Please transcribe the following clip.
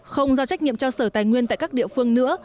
không giao trách nhiệm cho sở tài nguyên tại các địa phương nữa